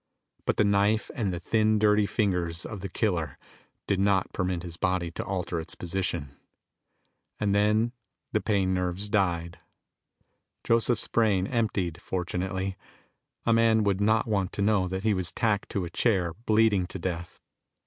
But the knife and the thin, dirty fingers of the killer did not permit his body to alter its position. And then the pain nerves died. Joseph's brain emptied, fortunately; a man would not want to know that he was tacked to a chair, bleeding to death.